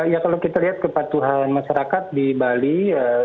ya kalau kita lihat kepatuhan masyarakat di bali